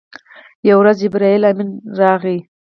یوه ورځ جبرائیل امین راغی.